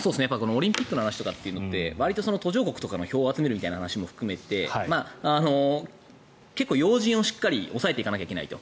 オリンピックの話とかというのはわりと途上国の票を集めるという点を含めて結構、要人をしっかり押さえていかないといけないと。